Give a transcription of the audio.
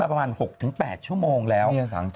ประมาณ๖๘ชั่วโมงแล้ว